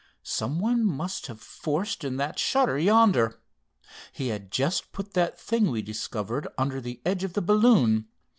Some one must have forced in that shutter yonder. He had just put that thing we discovered under the edge of the balloon.